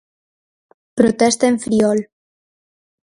Protesta en Friol.